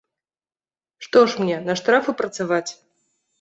Што ж мне, на штрафы працаваць.